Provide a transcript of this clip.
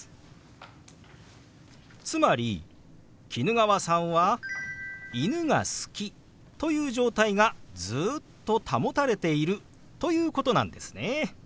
つまり衣川さんは「犬が好き」という状態がずっと保たれているということなんですね。